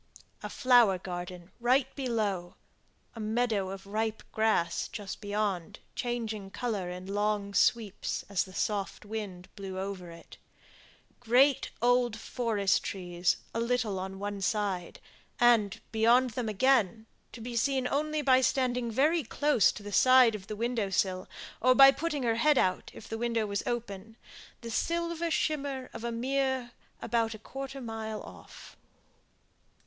A flower garden right below; a meadow of ripe grass just beyond, changing colour in long sweeps, as the soft wind blew over it; great old forest trees a little on one side; and, beyond them again, to be seen only by standing very close to the side of the window sill, or by putting her head out, if the window was open, the silver shimmer of a mere, about a quarter of a mile off.